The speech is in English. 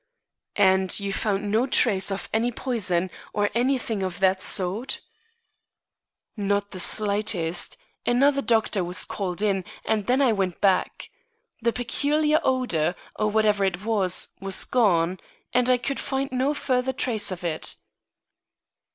"And you found no trace of any poison, or anything of that sort?" "Not the slightest. Another doctor was called in, and then I went back. The peculiar odor, or whatever it was, was gone, and I could find no further trace of it."